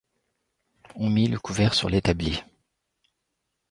On mit le couvert sur l'établi.